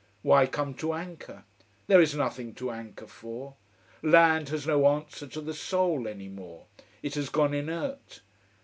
Why come to anchor? There is nothing to anchor for. Land has no answer to the soul any more. It has gone inert.